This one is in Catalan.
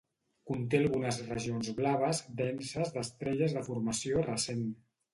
Conté algunes regions blaves denses d'estrelles de formació recent.